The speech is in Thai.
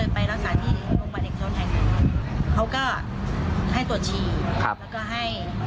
ไปรักษาที่โรงพยาบาลเอกช้อนไทยเขาก็ให้ตรวจชีครับแล้วก็ให้